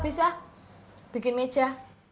bisa pak bikin meja